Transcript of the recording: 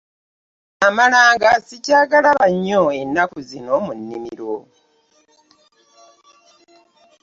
Amalanga ssikyagalaba nnyo ennaku zino mu nnimiro.